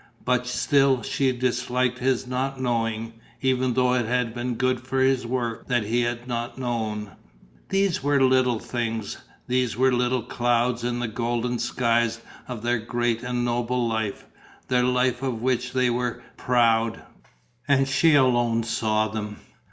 But still she disliked his not knowing, even though it had been good for his work that he had not known. These were little things. These were little clouds in the golden skies of their great and noble life, their life of which they were proud. And she alone saw them.